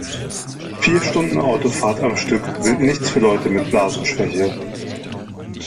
Vier Stunden Autofahrt am Stück sind nichts für Leute mit Blasenschwäche.